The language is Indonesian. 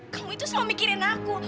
kamu itu selalu mikirin aku